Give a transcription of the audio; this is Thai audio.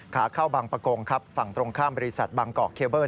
ขาเข้าบางประกงครับฝั่งตรงข้ามบริษัทบางกอกเคเบิ้ล